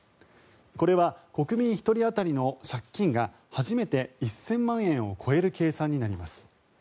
これは国民１人当たりの借金が初めて１０００万円を超える計算になります。